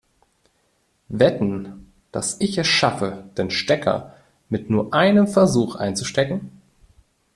Wetten, dass ich es schaffe, den Stecker mit nur einem Versuch einzustecken?